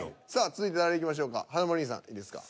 続いて誰いきましょうか華丸兄さんいいですか？